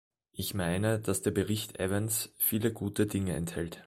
Ich meine, dass der Bericht Evans viele gute Dinge enthält.